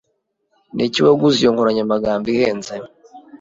Niki waguze iyi nkoranyamagambo ihenze?